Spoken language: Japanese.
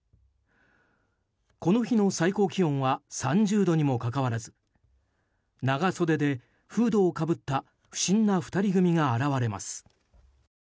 この日の最高気温は３０度にもかかわらず長袖でフードをかぶった不審な２人組が現れます。